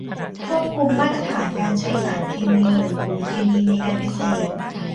ควบคุมมาตรฐานการใช้สารเคมีหรือปุ๋ยเคมีในการเกษตร